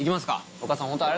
お母さん。